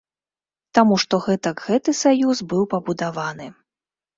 Таму што гэтак гэты саюз быў пабудаваны.